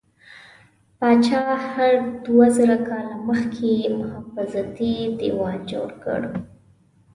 پاچا هرډ دوه زره کاله مخکې محافظتي دیوال جوړ کړ.